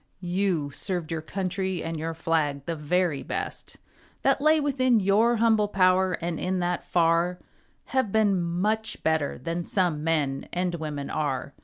You served your country and your flag The very best That lay within your humble power, And in that far Have been much better than some men And women are.